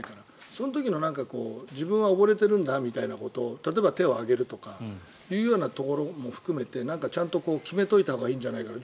その時の自分は溺れてるんだということを例えば、手を挙げるとかっていうようなところも含めてちゃんと決めといたほうがいいんじゃないかな。